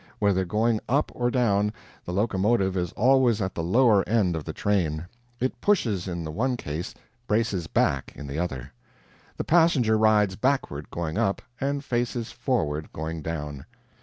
Whether going up or down, the locomotive is always at the lower end of the train. It pushes in the one case, braces back in the other. The passenger rides backward going up, and faces forward going down.